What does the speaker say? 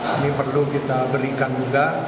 ini perlu kita berikan juga